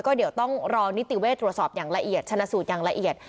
ก็เดี๋ยวต้องรอนิติเวทย์ตรวจสอบอย่างละเอียดชนะสูตรอย่างละเอียด